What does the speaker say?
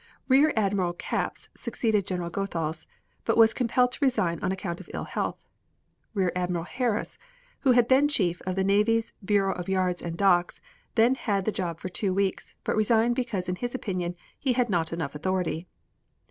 Rear Admiral Capps succeeded General Goethals, but was compelled to resign on account of ill health. Rear Admiral Harris, who had been chief of the Navy's Bureau of Yards and Docks, then had the job for two weeks, but resigned because in his opinion he had not enough authority.